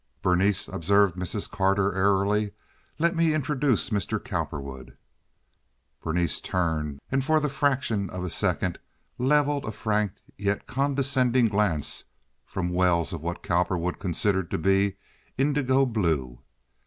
"Berenice," observed Mrs. Carter, airily, "let me introduce Mr. Cowperwood." Berenice turned, and for the fraction of a second leveled a frank and yet condescending glance from wells of what Cowperwood considered to be indigo blue.